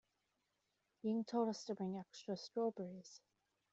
Ying told us to bring extra strawberries.